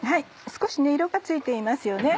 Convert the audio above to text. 少し色がついていますよね。